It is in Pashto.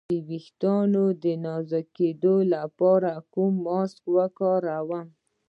د ویښتو د نازکیدو لپاره کوم ماسک وکاروم؟